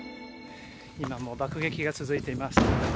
今も爆撃が続いています。